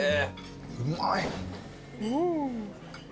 うまい。